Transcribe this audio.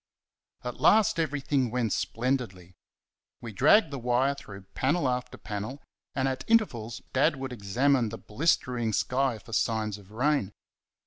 At last everything went splendidly. We dragged the wire through panel after panel, and at intervals Dad would examine the blistering sky for signs of rain.